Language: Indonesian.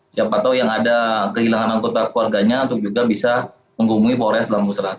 siapa tahu yang ada kehilangan anggota keluarganya itu juga bisa menghubungi polres